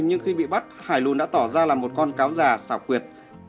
nhưng khi bị bắt hải luôn đã tỏ ra là một con cáo già xào quyệt